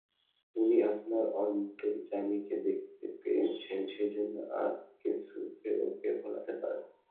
উনি আপনার অন্তর্যামীকে দেখতে পেয়েছেন, সেইজন্যে আর কিছুতে ওঁকে ভোলাতে পারে না।